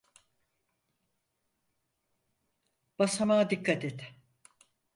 Basamağa dikkat et.